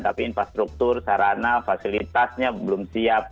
tapi infrastruktur sarana fasilitasnya belum siap